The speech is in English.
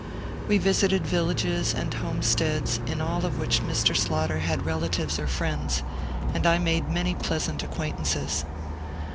We visited villages and homesteads in all of which Mr. Slaughter had relatives or friends, and I made many pleasant acquaintances.